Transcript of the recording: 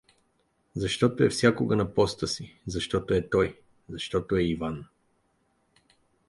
Защото е всякога на поста си, защото е той, защото е Иван.